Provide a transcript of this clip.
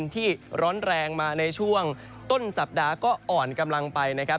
ต้นสัปดาห์ก็อ่อนกำลังไปนะครับ